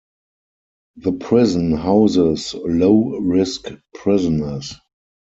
The prison houses low risk prisoners.